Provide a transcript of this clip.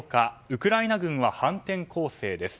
ウクライナ軍は反転攻勢です。